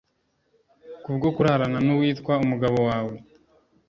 kubwo kurarana n’uwitwa umugabo wawe